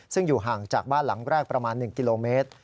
ซึ่งอยู่ห่างจากบ้านหลังแรกประมาณ๑กิโลเมตร